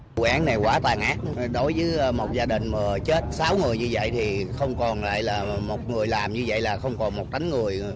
vụ án này quá tàn ác đối với một gia đình mà chết sáu người như vậy thì không còn lại là một người làm như vậy là không còn một đánh người